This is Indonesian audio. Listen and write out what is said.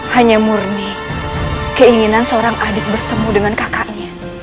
hanya murni keinginan seorang adik bertemu dengan kakaknya